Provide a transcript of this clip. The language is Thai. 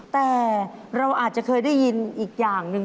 แต่เราอาจจะเคยได้ยินอีกอย่างหนึ่ง